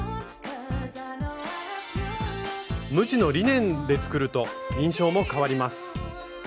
無地のリネンで作ると印象も変わります。